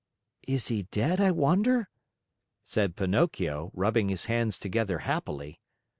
"Is he dead, I wonder?" said Pinocchio, rubbing his hands together happily.